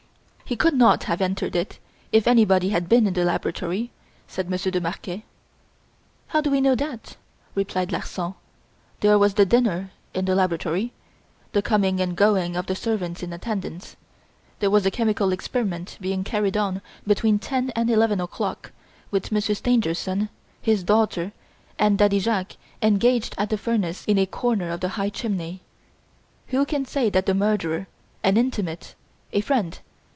"He could not have entered it if anybody had been in the laboratory," said Monsieur de Marquet. "How do we know that?" replied Larsan. "There was the dinner in the laboratory, the coming and going of the servants in attendance. There was a chemical experiment being carried on between ten and eleven o'clock, with Monsieur Stangerson, his daughter, and Daddy Jacques engaged at the furnace in a corner of the high chimney. Who can say that the murderer an intimate! a friend!